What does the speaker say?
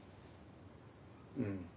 うん。